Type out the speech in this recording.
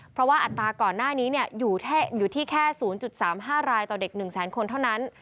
เพราะว่าอัตราก่อนหน้านี้อยู่ที่แค่๐๓๕รายต่อเด็ก๑แสนคนเท่านั้น